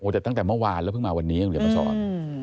แต่ตั้งแต่เมื่อวานแล้วเพิ่งมาวันนี้คุณเดี๋ยวมาสอน